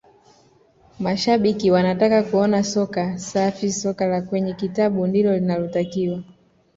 mashabiki wanataka kuona soka safisoka la kwenye kitabu ndilo linalotakiwa